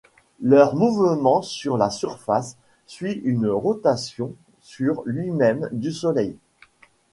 Leur mouvement sur la surface suit une rotation sur lui-même du Soleil.